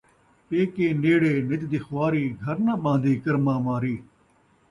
پیکے نیڑے، نت دی خواری، گھر ناں ٻہندی کرماں ماری